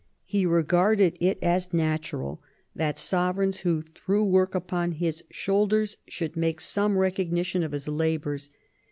He regarded it as natural that sovereigns who threw work upon his shoulders should make some recognition of his labours.